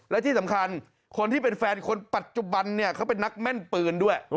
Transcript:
และที่สำคัญคนที่เป็นแฟนคนปัจจุบันเนี่ยเขาเป็นนักแม่นปืนด้วย